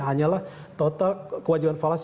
hanyalah total kewajiban falas